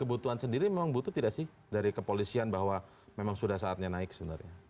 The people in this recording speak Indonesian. kebutuhan sendiri memang butuh tidak sih dari kepolisian bahwa memang sudah saatnya naik sebenarnya